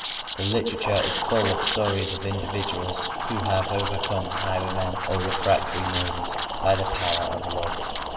The literature is full of stories of individuals who have overcome highwaymen, or refractory neighbors, by the power of love.